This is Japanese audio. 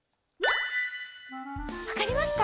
わかりますか？